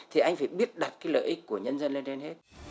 thì anh phải biết đặt cái lợi ích của nhân dân lên trên hết